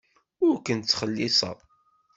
Ur kent-ttxelliṣeɣ.